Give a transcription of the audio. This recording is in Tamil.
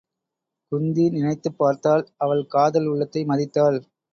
குந்தி நினைத்துப் பார்த்தாள் அவள் காதல் உள்ளத்தை மதித்தாள்.